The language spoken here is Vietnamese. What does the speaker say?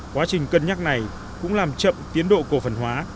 quá trình cân nhắc này cũng làm chậm tiến độ cổ phần hóa